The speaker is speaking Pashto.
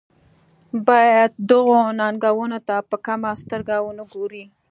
باید دغو ننګونو ته په کمه سترګه ونه ګوري.